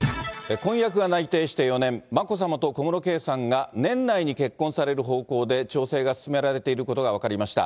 婚約が内定して４年、眞子さまと小室圭さんが年内に結婚される方向で調整が進められていることが分かりました。